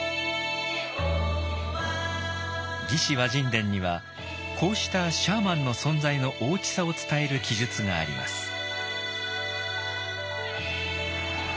「魏志倭人伝」にはこうしたシャーマンの存在の大きさを伝える記述があります。